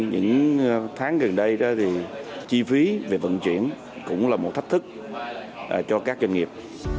những tháng gần đây thì chi phí về vận chuyển cũng là một thách thức cho các doanh nghiệp